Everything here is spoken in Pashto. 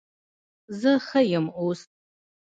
زه ښه یم اوس